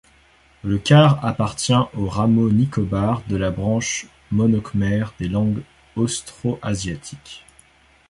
Le car appartient au rameau nicobar de la branche môn-khmer des langues austroasiatiques.